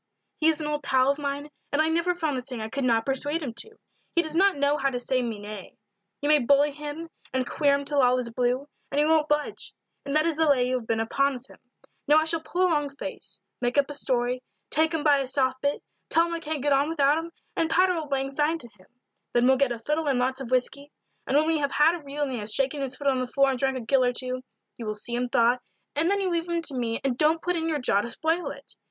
"He is an old pal of mine, and I never found the thing I could not persuade him to. He does not know how to say me nay you may bully him and queer him till all is blue, and he won't budge, and that is the lay you have been upon with him. Now I shall pull a long face make up a story take him by his soft bit tell him I can't get on without him, and patter old lang syne to him. Then we'll get a fiddle and lots of whisky; and when we have had a reel and he has shaken his foot on the floor and drank a gill or two, you will see him thaw, and then you leave him to me and don't put in your jaw to spoil it.